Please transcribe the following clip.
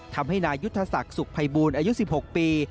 ทำให้นายุทธศักดิ์สุขภัยบูรณ์อายุ๑๖ปี